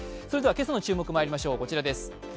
それでは、今朝の注目にまいりましょう、こちらです。